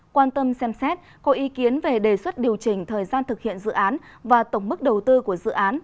quan tâm xem xét có ý kiến về đề xuất điều chỉnh thời gian thực hiện dự án và tổng mức đầu tư của dự án